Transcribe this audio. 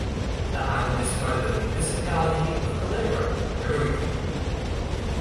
The island is part of the municipality of Culebra, Puerto Rico.